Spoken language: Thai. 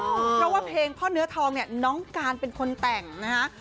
เพราะว่าเพลงพ่อเนื้อทองเนี่ยน้องการเป็นคนแต่งนะฮะ